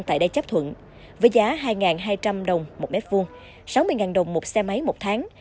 tại đây chấp thuận với giá hai hai trăm linh đồng một m hai sáu mươi đồng một xe máy một tháng